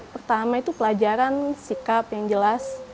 pertama itu pelajaran sikap yang jelas